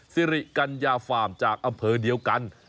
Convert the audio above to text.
สิริกัญญาฟาร์มจากอำเภอเดียวกัน